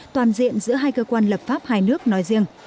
toàn diện giữa hai cơ quan lập pháp hai nước nói riêng